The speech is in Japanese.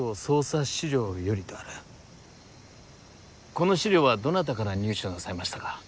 この資料はどなたから入手なさいましたか？